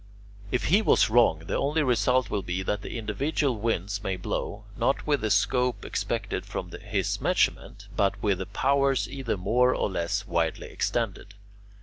If he was wrong, the only result will be that the individual winds may blow, not with the scope expected from his measurement, but with powers either more or less widely extended.